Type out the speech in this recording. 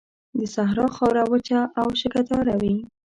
د صحرا خاوره وچه او شګهداره وي.